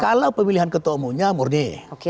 kalau pemilihan ketua umumnya murni